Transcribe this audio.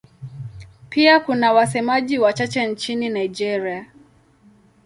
Pia kuna wasemaji wachache nchini Nigeria.